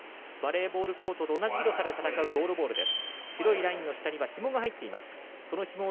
バレーボールコートと同じ広さで戦うゴールボールです。